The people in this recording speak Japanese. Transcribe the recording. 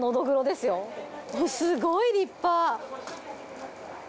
すごい立派！